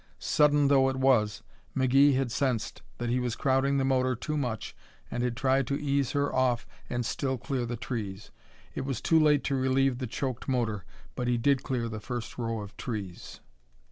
Sudden though it was, McGee had sensed that he was crowding the motor too much and had tried to ease her off and still clear the trees. It was too late to relieve the choked motor but he did clear the first row of trees.